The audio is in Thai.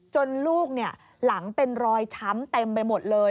ลูกหลังเป็นรอยช้ำเต็มไปหมดเลย